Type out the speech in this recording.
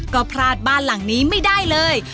ก็พลาดบ้านหลังนี้ไม่ได้เลย